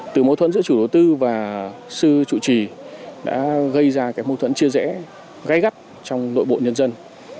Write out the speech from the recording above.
từ mâu thuẫn giữa chủ đầu tư và sư trụ trì đã gây ra mâu thuẫn chia rẽ gây gắt trong nội bộ nhân dân